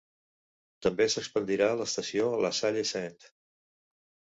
També s'expandirà l'estació LaSalle Saint.